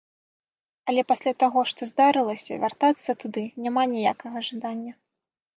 Але пасля таго, што здарылася, вяртацца туды няма ніякага жадання.